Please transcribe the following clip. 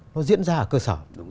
nó diễn ra ở cơ sở